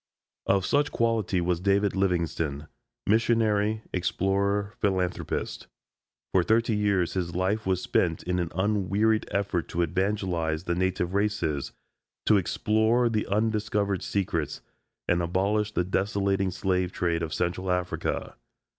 Of such quality was David Livingstone Missionary, Explorer, Philanthropist. "For thirty years his life was spent in an unwearied effort to evangelize the native races, to explore the undiscovered secrets, and abolish the desolating slave trade of Central Africa."